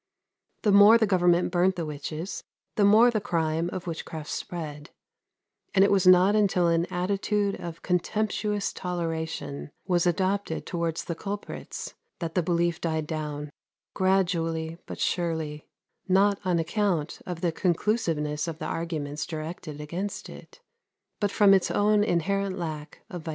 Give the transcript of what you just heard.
The more the Government burnt the witches, the more the crime of witchcraft spread; and it was not until an attitude of contemptuous toleration was adopted towards the culprits that the belief died down, gradually but surely, not on account of the conclusiveness of the arguments directed against it, but from its own inherent lack of vitality.